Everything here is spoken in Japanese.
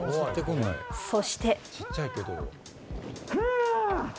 そして。